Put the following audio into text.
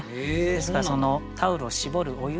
ですからそのタオルを絞るお湯にですね